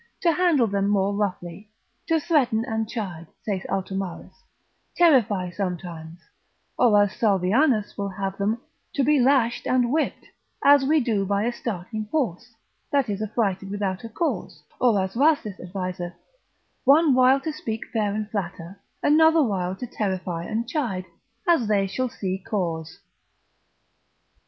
to handle them more roughly, to threaten and chide, saith Altomarus, terrify sometimes, or as Salvianus will have them, to be lashed and whipped, as we do by a starting horse, that is affrighted without a cause, or as Rhasis adviseth, one while to speak fair and flatter, another while to terrify and chide, as they shall see cause.